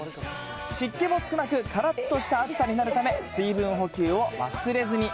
湿気も少なく、からっとした暑さになるため、水分補給を忘れずに。